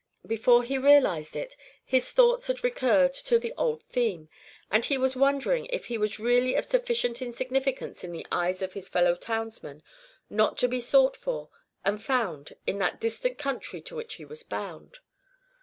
Before he realised it his thoughts had recurred to the old theme, and he was wondering if he was really of sufficient insignificance in the eyes of his fellow townsmen not to be sought for and found in that distant country to which he was bound.